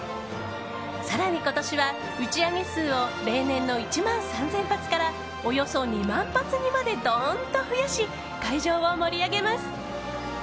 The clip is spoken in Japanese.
更に、今年は打ち上げ数を例年の１万３０００発からおよそ２万発にまでドーンと増やし会場を盛り上げます。